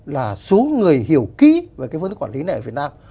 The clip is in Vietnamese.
là số người hiểu ký về cái phương thức quản lý này ở việt nam